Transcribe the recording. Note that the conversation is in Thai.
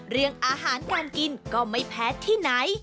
เรื่องอาหารการกินก็ไม่แพ้ที่ไหน